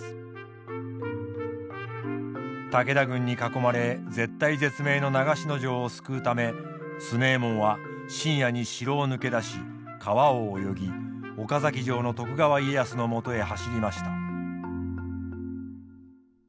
武田軍に囲まれ絶体絶命の長篠城を救うため強右衛門は深夜に城を抜け出し川を泳ぎ岡崎城の徳川家康のもとへ走りました。